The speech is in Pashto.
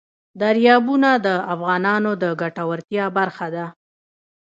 دریابونه د افغانانو د ګټورتیا برخه ده.